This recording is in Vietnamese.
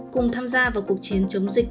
cùng tham gia vào cuộc chiến chống dịch